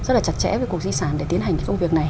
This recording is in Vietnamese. rất là chặt chẽ với cục di sản để tiến hành cái công việc này